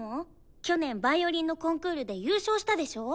去年ヴァイオリンのコンクールで優勝したでしょ？